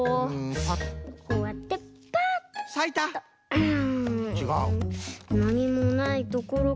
うん。